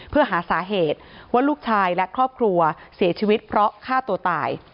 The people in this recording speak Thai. เพื่อหาสาเหตุว่าลูกชายและครอบครัวเสียชีวิตเพราะฆ่าตัวตาย